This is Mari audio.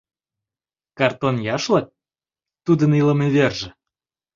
Картон яшлык — тудын илыме верже.